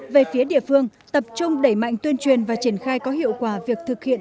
về phía địa phương tập trung đẩy mạnh tuyên truyền và triển khai có hiệu quả việc thực hiện